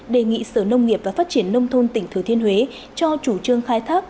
đề nghị sở nông nghiệp và phát triển nông thôn tỉnh thừa thiên huế cho chủ trương khai thác